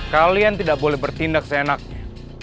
kalian tidak boleh bertindak seenaknya